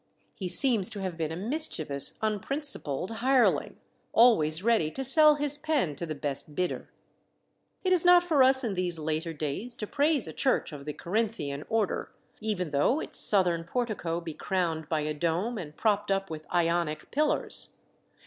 He seems to have been a mischievous, unprincipled hireling, always ready to sell his pen to the best bidder. It is not for us in these later days to praise a church of the Corinthian order, even though its southern portico be crowned by a dome and propped up with Ionic pillars.